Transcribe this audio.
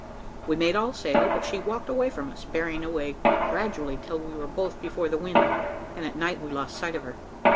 We made all sail, but she walked away from us, bearing away gradually till we were both before the wind, and at night we lost sight of her.